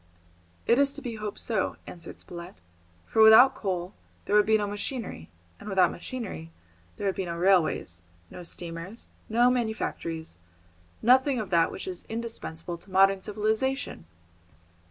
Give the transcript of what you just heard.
"It is to be hoped so," answered Spilett, "for without coal there would be no machinery, and without machinery there would be no railways, no steamers, no manufactories, nothing of that which is indispensable to modern civilisation!"